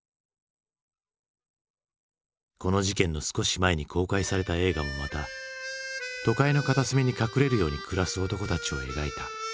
この事件の少し前に公開された映画もまた都会の片隅に隠れるように暮らす男たちを描いた。